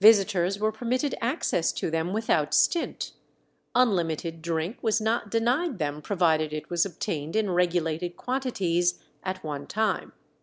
Visitors were permitted access to them without stint; unlimited drink was not denied them provided it was obtained in regulated quantities at one time.